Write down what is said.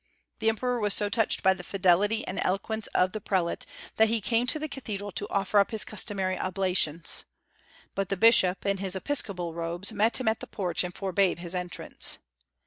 The emperor was so touched by the fidelity and eloquence of the prelate that he came to the cathedral to offer up his customary oblations. But the bishop, in his episcopal robes, met him at the porch and forbade his entrance.